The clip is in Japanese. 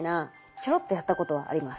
チョロッとやったことはあります。